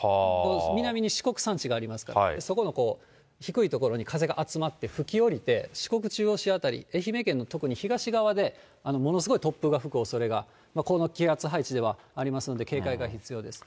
南に四国山地がありますから、そこの低い所に風が集まって吹き下りて、四国中央市辺り、愛媛県の特に東側でものすごい突風が吹くおそれが、この気圧配置ではありますので、警戒が必要です。